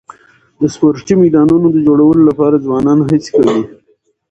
د سپورټي میدانونو د جوړولو لپاره ځوانان هڅي کوي.